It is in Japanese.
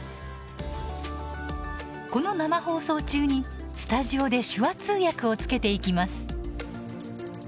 この生放送中にスタジオで手話通訳をつけていきます。